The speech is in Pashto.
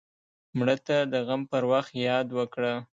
مړه ته د غم پر وخت یاد وکړه